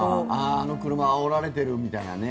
あの車あおられてるみたいなね。